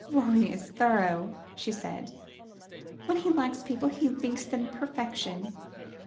"Rorie is thorough," she said; "when he likes people he thinks them perfection.